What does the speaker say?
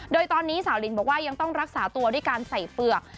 โดยตอนนี้สาวลินบอกว่ายังต้องรักษาตัวด้วยการใส่เฝือก